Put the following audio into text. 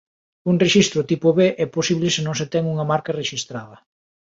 Un rexistro tipo B é posible se non se ten unha marca rexistrada.